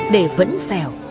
để vẫn xèo